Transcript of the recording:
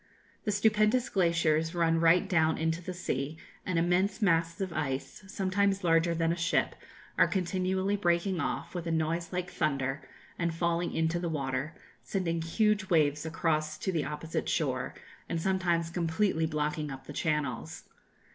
The stupendous glaciers run right down into the sea, and immense masses of ice, sometimes larger than a ship, are continually breaking off, with a noise like thunder, and falling into the water, sending huge waves across to the opposite shore, and sometimes completely blocking up the channels.